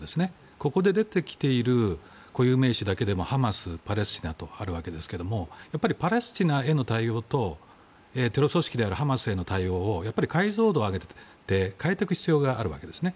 ここで出てきている固有名詞だけでもハマス、パレスチナとあるわけですがパレスチナへの対応とテロ組織であるハマスへの対応を解像度を上げて変えていく必要があるわけですね。